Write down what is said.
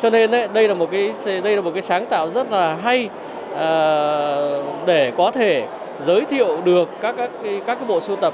cho nên đây là một sáng tạo rất hay để có thể giới thiệu được các bộ sưu tập